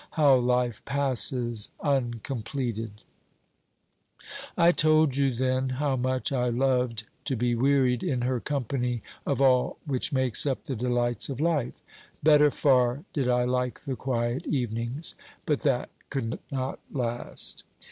How life passes uncompleted ! I told you then how much I loved to be wearied in her company of all which makes up the delights of life ; better far did I like the quiet evenings. But that could not last.